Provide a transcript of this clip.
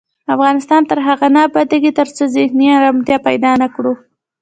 افغانستان تر هغو نه ابادیږي، ترڅو ذهني ارامتیا پیدا نکړو.